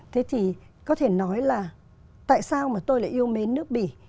thế thì có thể nói là tại sao mà tôi lại yêu mến nước bỉ